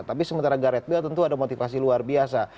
tapi sementara gareth bale tentu ada motivasi luar biasa